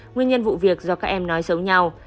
nguyên nhân vụ việc do các em nói xấu nhau